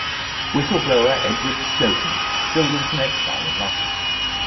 Whistle-blower Edward Snowden still lives in exile in Russia.